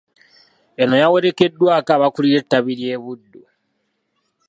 Eno yawerekeddwako abakulira ettabi ly'eBuddu.